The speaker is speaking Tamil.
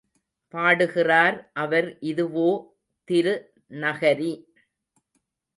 பாடுகிறார் அவர் இதுவோ திரு நகரி?